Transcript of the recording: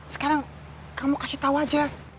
sekarang kamu kasih tahu aja